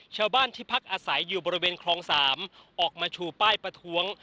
ชาวบ้านที่พักอาศัยอยู่บริเวณคลอง๓ออกมาชูป้ายประท้วง